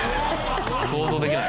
想像できない。